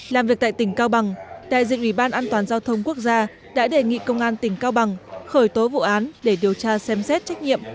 làm việc tại tỉnh cao bằng đại diện ủy ban an toàn giao thông quốc gia đã đề nghị công an tỉnh cao bằng khởi tố vụ án để điều tra xem xét trách nhiệm